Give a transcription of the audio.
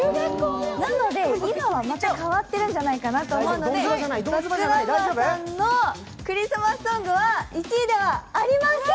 なので、今はまた変わってるんじゃないかなとは思うのでｂａｃｋｎｕｍｂｅｒさんの「クリスマスソング」は１位ではありません！